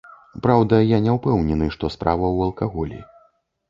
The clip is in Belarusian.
Праўда, я не ўпэўнены, што справа ў алкаголі.